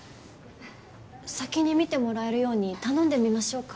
先に診てもらえるように頼んでみましょうか？